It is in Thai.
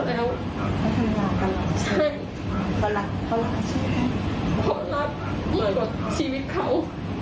ไม่ได้รักแรกชีวิตเขา